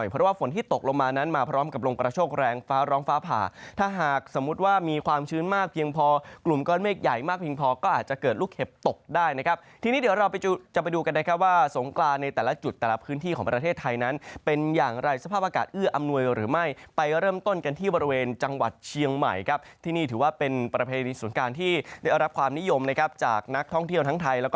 เพียงพอกลุ่มก้อนเมฆใหญ่มากเพียงพอก็อาจจะเกิดลูกเห็บตกได้นะครับทีนี้เดี๋ยวเราจะไปดูกันนะครับว่าสงกรานในแต่ละจุดแต่ละพื้นที่ของประเทศไทยนั้นเป็นอย่างไรสภาพอากาศอื้ออำนวยหรือไม่ไปเริ่มต้นกันที่บริเวณจังหวัดเชียงใหม่ครับที่นี่ถือว่าเป็นประเพณีสงการที่ได้เอารับความนิยมนะคร